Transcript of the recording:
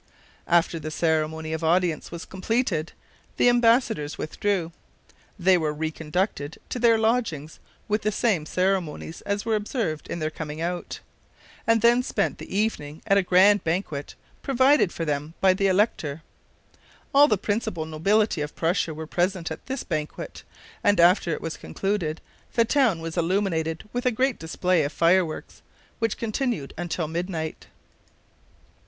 After the ceremony of audience was completed the embassadors withdrew. They were reconducted to their lodgings with the same ceremonies as were observed in their coming out, and then spent the evening at a grand banquet provided for them by the elector. All the principal nobility of Prussia were present at this banquet, and after it was concluded the town was illuminated with a great display of fireworks, which continued until midnight.